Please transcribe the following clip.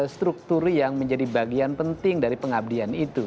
struktur yang menjadi bagian penting dari pengabdian itu